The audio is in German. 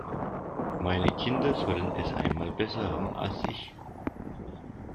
Meine Kinder sollen es einmal besser haben als ich.